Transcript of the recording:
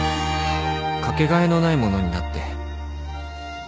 かけがえのないものになって